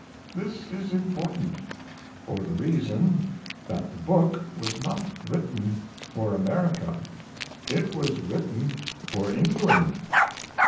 This is important, for the reason that the book was not written for America; it was written for England.